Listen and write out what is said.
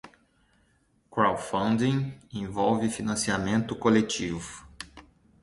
Crowdfunding envolve financiamento coletivo.